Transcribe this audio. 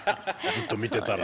ずっと見てたらね。